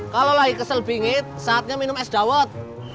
kalau lagi kesel bingit saatnya minum es dawet